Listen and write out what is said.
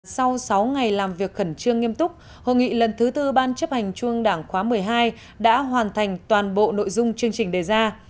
sau sáu ngày làm việc khẩn trương nghiêm túc hội nghị lần thứ tư ban chấp hành trung đảng khóa một mươi hai đã hoàn thành toàn bộ nội dung chương trình đề ra